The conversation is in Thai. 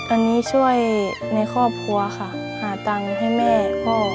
อันนี้ช่วยในครอบครัวค่ะหาตังค์ให้แม่พ่อ